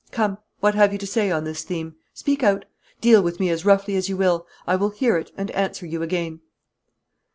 Come, what have you to say on this theme? Speak out. Deal with me as roughly as you will, I will hear it, and answer you again."